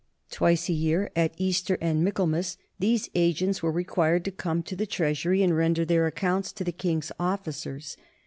Twice a year, at Easter and Michaelmas, these agents were required to come to the treasury and render their accounts to the king's officers.